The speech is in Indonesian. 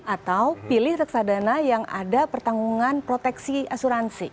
atau pilih reksadana yang ada pertanggungan proteksi asuransi